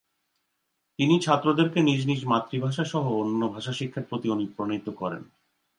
তিনি ছাত্রদেরকে নিজ নিজ মাতৃভাষাসহ অন্যান্য ভাষা শিক্ষার প্রতি অনুপ্রাণিত করেন।